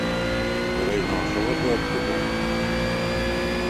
Der is noch in soad wurk te dwaan.